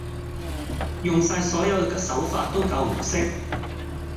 用晒所有手法都救唔熄